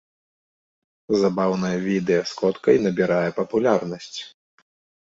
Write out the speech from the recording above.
Забаўнае відэа з коткай набірае папулярнасць.